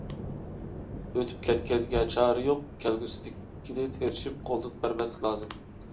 ئۆتۈپ كەتكەنگە چارە يوق، كەلگۈسىدىكىنى تىرىشىپ قولدىن بەرمەسلىك لازىم.